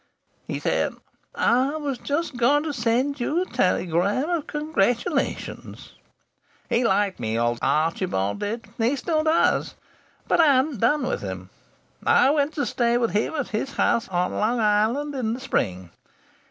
He said, 'I was just going to send you a telegram of congratulations.' He liked me, old Archibald did. He still does. But I hadn't done with him. I went to stay with him at his house on Long Island in the spring.